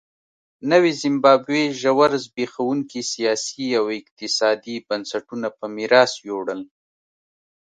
نوې زیمبابوې ژور زبېښونکي سیاسي او اقتصادي بنسټونه په میراث یووړل.